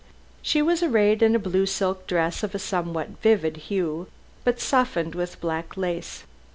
She was arrayed in a blue silk dress of a somewhat vivid hue, but softened with black lace.